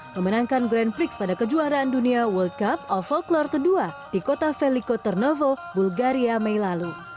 memenangkan grand prix pada kejuaraan dunia world cup of folklore ke dua di kota veliko tarnovo bulgaria mei lalu